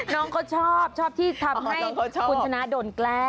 น้องเขาชอบชอบที่ทำให้คุณชนะโดนแกล้ง